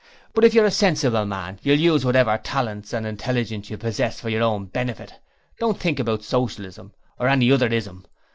But if you're a sensible man you'll use whatever talents and intelligence you possess for your own benefit. Don't think about Socialism or any other "ism".